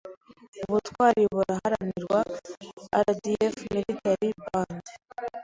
Ubutwari buraharanirwa; RDF- Military Band